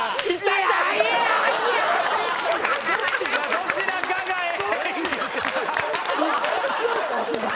どちらかが演技。